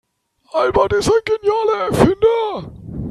Albert ist ein genialer Erfinder.